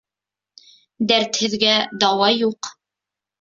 Дәртһеҙгә дауа юҡ.